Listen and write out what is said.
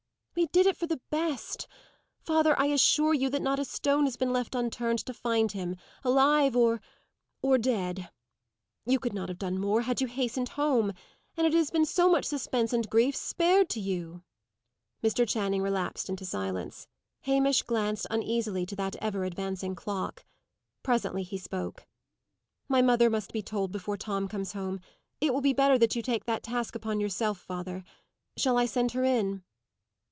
"We did it for the best. Father, I assure you that not a stone has been left unturned to find him; alive, or or dead. You could not have done more had you hastened home; and it has been so much suspense and grief spared to you." Mr. Channing relapsed into silence. Hamish glanced uneasily to that ever advancing clock. Presently he spoke. "My mother must be told before Tom comes home. It will be better that you take the task upon yourself, father. Shall I send her in?"